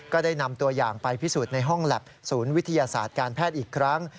ก็ได้นำตัวอย่างไปพิสูจน์ในห้องแล็บศูนย์วิทยาศาสตร์การแพทย์อีกครั้ง